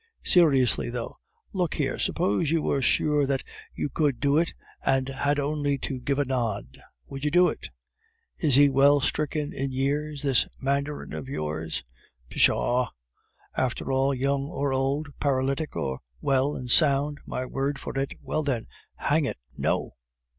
"Seriously, though. Look here, suppose you were sure that you could do it, and had only to give a nod. Would you do it?" "Is he well stricken in years, this mandarin of yours? Pshaw! after all, young or old, paralytic, or well and sound, my word for it. ... Well, then. Hang it, no!"